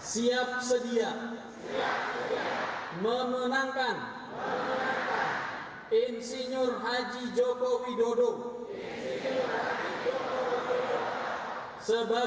kami solidaritas kulama muda jokowi menyatakan